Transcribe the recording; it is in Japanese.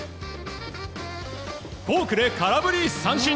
フォークで空振り三振。